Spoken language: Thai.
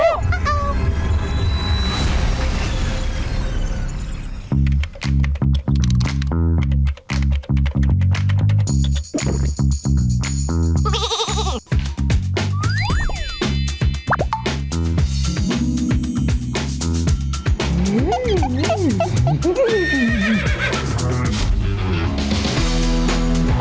โอ้โฮ